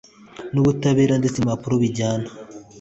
n'ubutabera ndetse n'impapuro bijyana